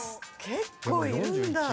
結構いるんだ。